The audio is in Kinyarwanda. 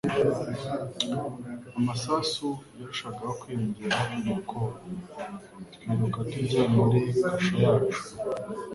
Amasasu yarushagaho kwiyongera nuko twiruka tujya muri kasho yacu